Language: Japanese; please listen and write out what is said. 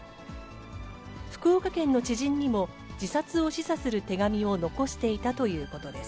福岡県の知人にも、自殺を示唆する手紙を残していたということです。